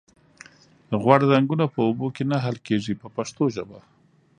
غوړ رنګونه په اوبو کې نه حل کیږي په پښتو ژبه.